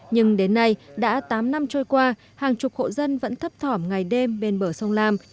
nhưng đến nay đã tám năm trôi qua hàng chục hộ dân vẫn thấp thỏm ngày đêm bên bờ sông lam